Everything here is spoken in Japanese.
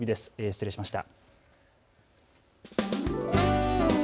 失礼しました。